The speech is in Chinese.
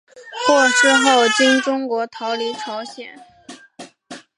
获释后经中国逃离朝鲜。